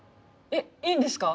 えっいいんですか？